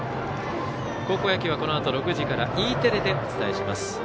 高校野球はこのあと６時からＥテレでお伝えします。